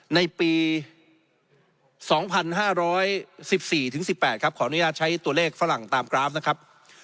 ในปี๒๕๑๔ถึง๑๘ครับขออนุญาตใช้ตัวเลขฝรั่งตามกราฟนะครับ